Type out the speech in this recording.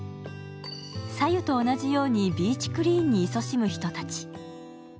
早柚と同じようにビーチクリーンにいそしむ人たち。